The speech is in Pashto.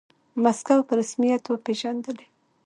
موسکو په رسميت وپیژندلې.